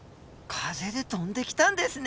風で飛んできたんですね。